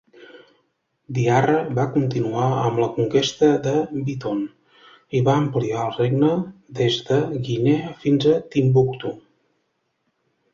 Diarra va continuar amb la conquesta de Biton, i va ampliar el regne des de Guinea fins a Timbuctu.